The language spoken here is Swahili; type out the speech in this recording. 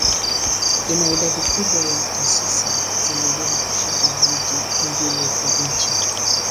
Ina idadi kubwa ya taasisi za elimu kushinda miji mingine ya nchi.